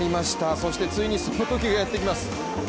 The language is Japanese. そしてついにそのときがやってきます。